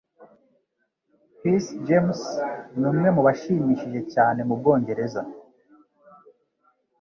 Chris James numwe mubashimishije cyane mubwongereza.